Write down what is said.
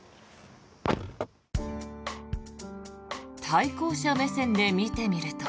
対向車目線で見てみると。